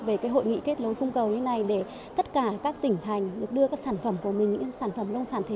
những hội nghị kết nối như thế này giúp cho chúng tôi có thể đưa sản phẩm đến các nhà phân phối